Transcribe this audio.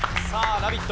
「ラヴィット！」